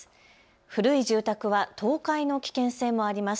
古い住宅は倒壊の危険性もあります。